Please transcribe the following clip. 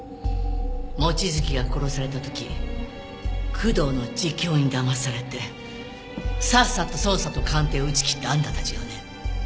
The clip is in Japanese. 望月が殺された時工藤の自供にだまされてさっさと捜査と鑑定を打ち切ったあんたたちがね。